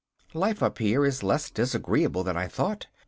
27 Life up here is less disagreeable than I thought.